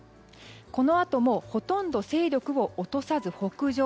このあともほとんど勢力を落とさず北上。